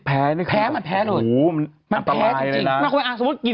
กันชาอยู่ในนี้